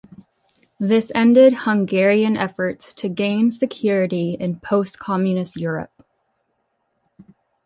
This ended Hungarian efforts to gain security in post-communist Europe.